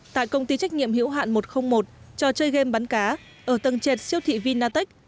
tại công ty trách nhiệm hữu hạn một trăm linh một trò chơi game bắn cá ở tầng trệt siêu thị vinatech